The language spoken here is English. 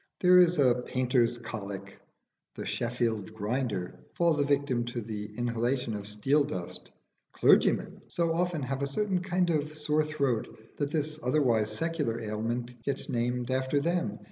There is a painter's colic: the Sheffield grinder falls a victim to the inhalation of steel dust: clergymen so often have a certain kind of sore throat that this otherwise secular ailment gets named after them.